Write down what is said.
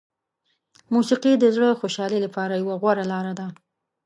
موسیقي د زړه خوشحالي لپاره یوه غوره لاره ده.